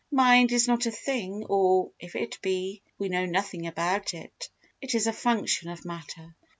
Mind is not a thing or, if it be, we know nothing about it; it is a function of matter.